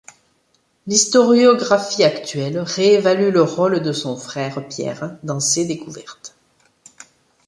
L'historiographie actuelle réévalue le rôle de son frère Pierre dans ces découvertes.